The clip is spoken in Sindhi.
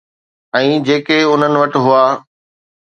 ۽ جيڪي انهن وٽ هئا.